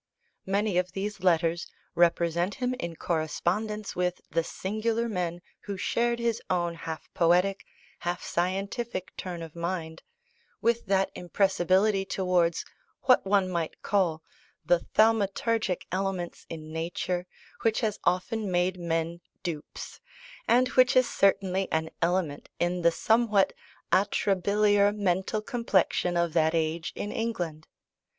Many of these letters represent him in correspondence with the singular men who shared his own half poetic, half scientific turn of mind, with that impressibility towards what one might call the thaumaturgic elements in nature which has often made men dupes, and which is certainly an element in the somewhat atrabiliar mental complexion of that age in England.